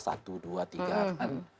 satu dua tiga kan